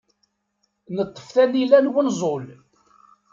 Neṭṭef tanila n wenẓul.